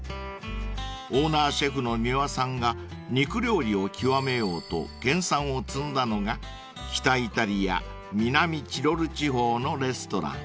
［オーナーシェフの三輪さんが肉料理を極めようと研さんを積んだのが北イタリア南チロル地方のレストラン］